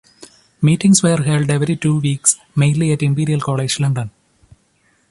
Meetings were held every two weeks, mainly at Imperial College London.